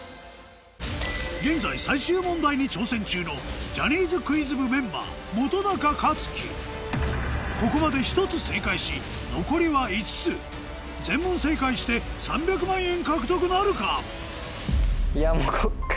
現在最終問題に挑戦中のここまで１つ正解し残りは５つ全問正解して３００万円獲得なるか？